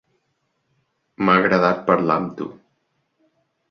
M'ha agradat parlar amb tu.